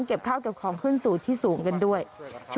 น้ำป่าเสดกิ่งไม้แม่ระมาศ